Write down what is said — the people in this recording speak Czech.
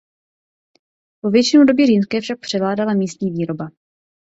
Po většinu doby římské však převládala místní výroba.